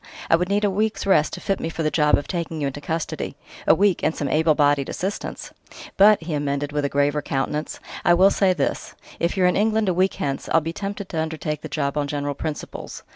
I would need a week's rest to fit me for the job of taking you into custody a week and some able bodied assistance!... But," he amended with graver countenance, "I will say this: if you're in England a week hence, I'll be tempted to undertake the job on general principles.